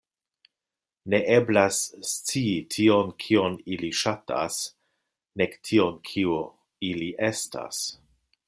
Ne eblas scii tion, kion ili ŝatas, nek tion, kio ili estas.